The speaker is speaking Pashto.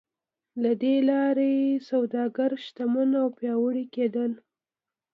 له دې لارې سوداګر شتمن او پیاوړي کېدل.